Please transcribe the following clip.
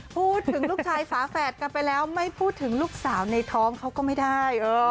พูดถึงลูกชายฝาแฝดกันไปแล้วไม่พูดถึงลูกสาวในท้องเขาก็ไม่ได้